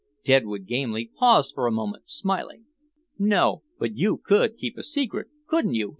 Deadwood Gamely paused a moment, smiling. "No, but you could keep a secret, couldn't you?"